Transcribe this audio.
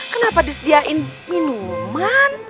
kenapa disediain minuman